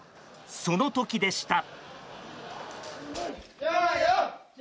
その時でした。